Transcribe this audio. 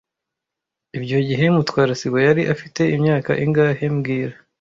Ibyo gihe Mutwara sibo yari afite imyaka ingahe mbwira